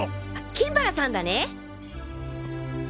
金原さんだね！